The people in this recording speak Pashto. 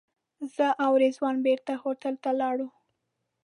زه او رضوان بېرته هوټل ته لاړو.